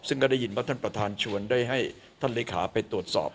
ซึ่งก็ได้ยินว่าท่านประธานชวนได้ให้ท่านเลขาไปตรวจสอบ